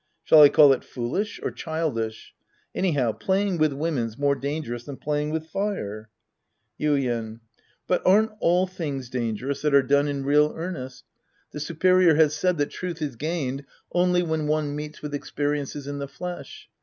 Shall I call it foolish ? Or childish ? Any how, playing with women's more dangerous than playing with fire ! Yuien. But aren't all things dangerous that are 184 The Priest and His Disciples Act V done in real earnest? The superior has said that truth is gained only when one meets with ex periences in the flesh.